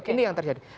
ini yang terjadi